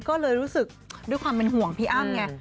ก็เลยรู้สึกด้วยความเป็นห่วงพี่อ้ำไง